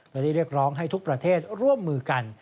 และได้เรียกร้องให้ทุกประเทศร่วมมือกัน